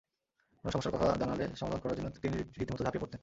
কোনো সমস্যার কথা জানালে সমাধান করার জন্য তিনি রীতিমতো ঝাঁপিয়ে পড়তেন।